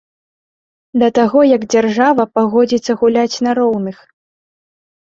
Да таго як дзяржава пагодзіцца гуляць на роўных.